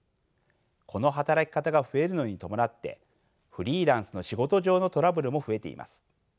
この働き方が増えるのに伴ってフリーランスの仕事上のトラブルも増えています。